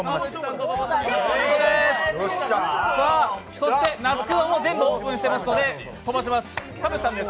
そして那須君は全部オープンしているので飛ばします。